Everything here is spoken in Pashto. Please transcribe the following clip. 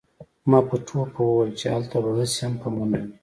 ما په ټوکه وویل چې هلته به هسې هم په منډه وې